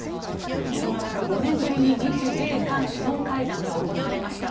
そんな中、５年ぶりに日米韓首脳会談が行われました。